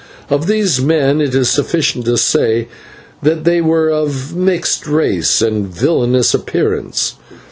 Of these men it is sufficient to say that they were of mixed nationality and villainous appearance.